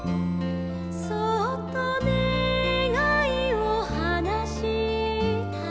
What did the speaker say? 「そっとねがいをはなしたら」